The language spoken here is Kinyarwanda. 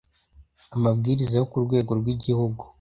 Amabwiriza yo ku rwego rw igihugu